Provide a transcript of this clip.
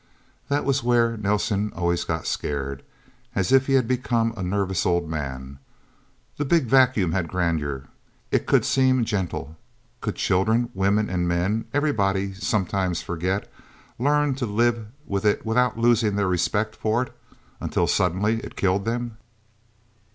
That was where Nelsen always got scared, as if he had become a nervous old man. The Big Vacuum had a grandeur. It could seem gentle. Could children, women and men everybody sometimes forgot learn to live with it without losing their respect for it, until suddenly it killed them?